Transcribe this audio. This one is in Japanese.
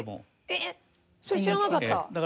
えっそれ知らなかった。